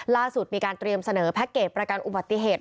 ล่าสุดมีการเตรียมเสนอแพ็คเกจประกันอุบัติเหตุ